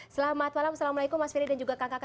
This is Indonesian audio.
selamat malam assalamualaikum mas ferry dan juga kang kaka